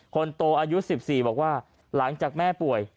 คนโตอายุ๑๔บอกว่าหลังจากแม่ป่วย